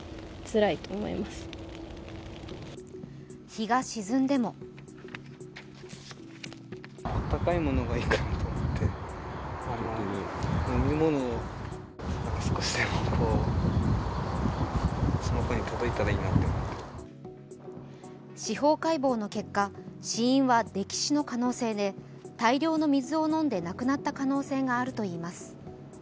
日が沈んでも司法解剖の結果、死因は溺死の可能性で大量の水を飲んで亡くなった可能性があるといいます。